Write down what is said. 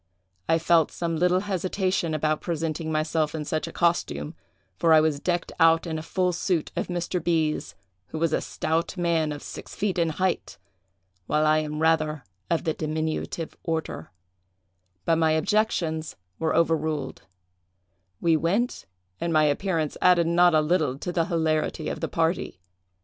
I felt some little hesitation about presenting myself in such a costume, for I was decked out in a full suit of Mr. B——'s, who was a stout man, of six feet in height, while I am rather of the diminutive order; but my objections were overruled; we went, and my appearance added not a little to the hilarity of the party.